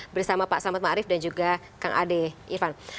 bersama pak selamet ma'arif dan juga kang adeh irfan